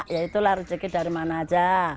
yaitulah rezeki dari mana aja